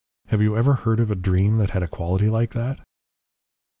Have you ever heard of a dream that had a quality like that?"